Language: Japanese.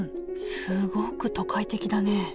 すごく都会的だね。